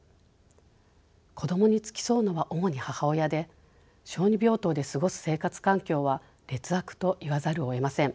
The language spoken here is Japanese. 子どもに付き添うのは主に母親で小児病棟で過ごす生活環境は劣悪と言わざるをえません。